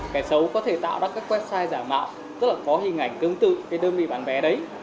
kẻ xấu có thể tạo ra các website giả mạo rất là có hình ảnh tương tự cái đơn vị bán vé đấy